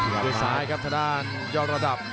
ด้วยซ้ายครับทางด้านยอดระดับ